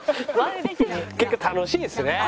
結果楽しいですね。